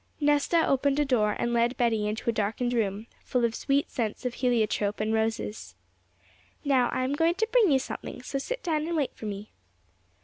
Nesta opened a door, and led Betty into a darkened room, full of sweet scents of heliotrope and roses. 'Now I am going to bring you something, so sit down and wait for me.'